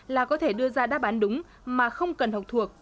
là có thể đưa ra đáp án đúng mà không cần học thuộc